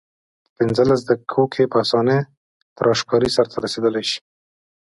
په پنځلس دقیقو کې په اسانۍ تراشکاري سرته رسیدلای شي.